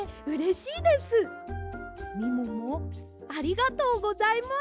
みももありがとうございます！